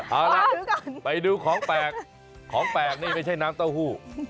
เอาล่ะไปดูของแปลกของแปลกนี่ไม่ใช่น้ำเต้าหู้